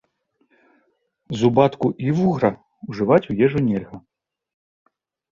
Зубатку і вугра ўжываць у ежу нельга.